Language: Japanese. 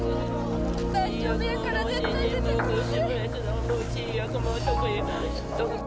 大丈夫やからね。